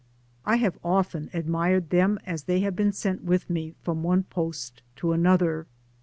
I have often admired them as they have been sent with me from one post to another.